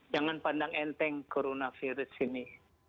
jangan pandang enteng coronavirus ini